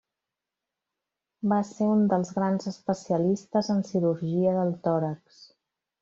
Va ser un dels grans especialistes en cirurgia del tòrax.